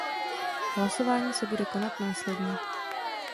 Hlasování se bude konat následně.